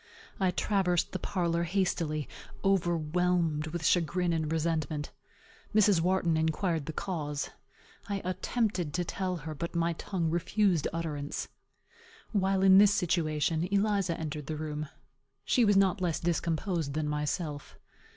I traversed the parlor hastily, overwhelmed with chagrin and resentment. Mrs. Wharton inquired the cause. I attempted to tell her, but my tongue refused utterance. While in this situation, Eliza entered the room. She was not less discomposed than myself.